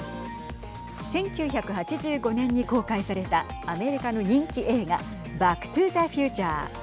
１９８５年に公開されたアメリカの人気映画バック・トゥー・ザ・フューチャー。